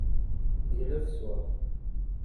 Glut s wa.